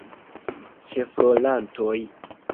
Ĉefrolantoj.